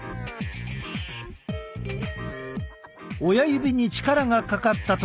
親指に力がかかった時。